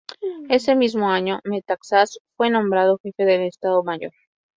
Ese mismo año, Metaxás fue nombrado jefe del Estado Mayor.